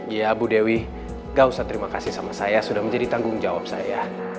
ya bu dewi gak usah terima kasih sama saya sudah menjadi tanggung jawab saya